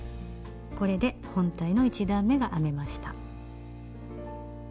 これで本体の１段めが編めました。